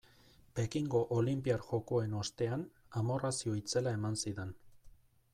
Pekingo olinpiar jokoen ostean amorrazio itzela eman zidan.